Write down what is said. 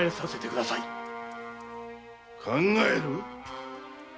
考える？